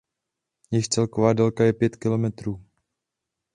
Její celková délka je pět kilometrů.